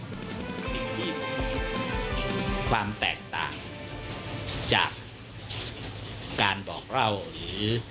สิ่งดีหล่ะครับความแตกต่างจากการบอกเราหรือ